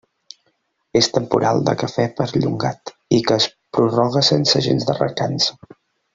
És temporal de café perllongat i que es prorroga sense gens de recança.